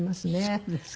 そうですか。